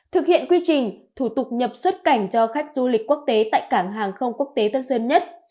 thực hiện quy trình thủ tục nhập xuất cảnh cho khách du lịch quốc tế tại cảng hàng không quốc tế tân sơn nhất